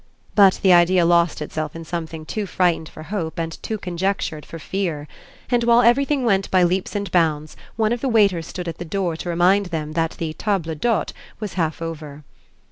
But the idea lost itself in something too frightened for hope and too conjectured for fear; and while everything went by leaps and bounds one of the waiters stood at the door to remind them that the table d'hôte was half over.